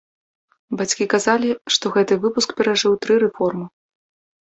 Бацькі казалі, што гэты выпуск перажыў тры рэформы.